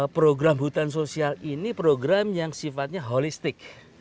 program hutan sosial ini program yang sifatnya holistik